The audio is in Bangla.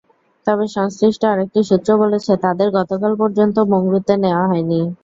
তবে সংশ্লিষ্ট আরেকটি সূত্র বলেছে, তাদের গতকাল পর্যন্ত মংডুতে নেওয়া হয়নি।